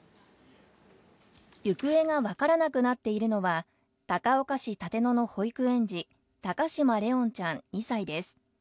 行方がわからなくなっているのは高岡市立野の保育園児、高嶋怜音ちゃん２歳です。